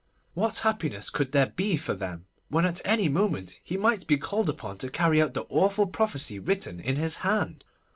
What happiness could there be for them, when at any moment he might be called upon to carry out the awful prophecy written in his hand?